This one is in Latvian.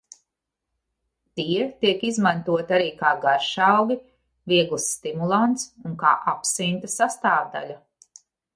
Tie tiek izmantoti arī kā garšaugi, viegls stimulants un kā absinta sastāvdaļa.